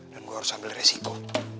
dan gue harus ambil resiko